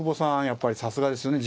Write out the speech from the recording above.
やっぱりさすがですよね。